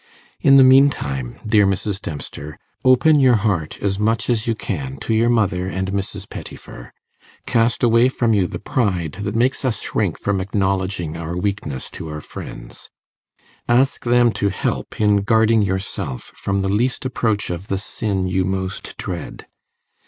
In the meantime, dear Mrs. Dempster, open your heart as much as you can to your mother and Mrs. Pettifer. Cast away from you the pride that makes us shrink from acknowledging our weakness to our friends. Ask them to help you in guarding yourself from the least approach of the sin you most dread.